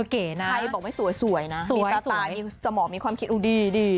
ใครบอกไม่สวยนะมีสไตล์มีสมองมีความคิดดูดีดี